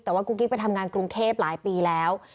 แต่ว่ากุ๊กกิ๊กไปทำงานกรุงเทพหลายปีแล้ว